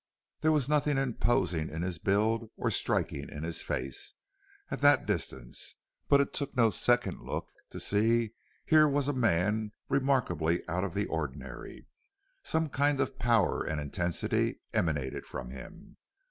There was nothing imposing in his build or striking in his face, at that distance; but it took no second look to see here was a man remarkably out of the ordinary. Some kind of power and intensity emanated from him.